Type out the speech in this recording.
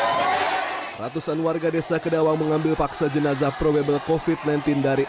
hai ratusan warga desa kedawang mengambil paksa jenazah prowebel kofit lentin dari